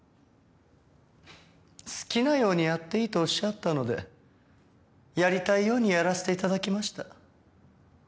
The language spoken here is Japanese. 好きなようにやっていいとおっしゃったのでやりたいようにやらせて頂きました。